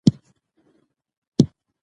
که لرګی وي نو مجسمه نه نړیږي.